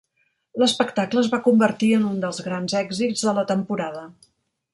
L'espectacle es va convertir en un dels grans èxits de la temporada.